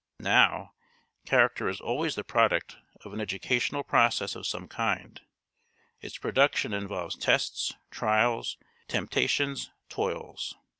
Now, character is always the product of an educational process of some kind; its production involves tests, trials, temptations, toils.